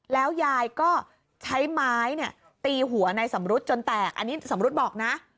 แล้วยายก็ใช้ไม้เนี่ยตีหัวในสำรุษจนแตกอันนี้สำรุษบอกนะ